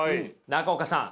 中岡さん